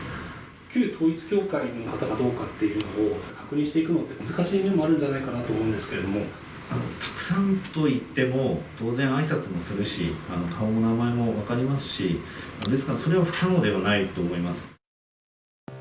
旧統一教会の方かどうかっていうのを、確認していくのって難しい面もあるんじゃないかなと思うんですけたくさんといっても、当然あいさつもするし、顔も名前も分かりますし、ですからそれは不可能ではないと思います。